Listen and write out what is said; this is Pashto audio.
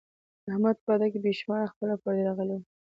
د احمد په واده کې بې شماره خپل او پردي راغلي وو.